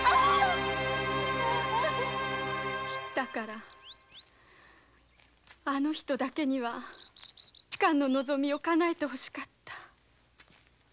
だからあの人だけには仕官の望みをかなえて欲しかった。